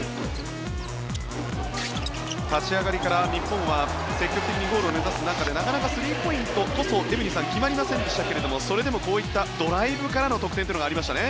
立ち上がりから日本は積極的にゴールを目指す中でなかなかスリーポイントこそエブリンさん決まりませんでしたけどもそれでもこういったドライブからの得点というのがありましたね。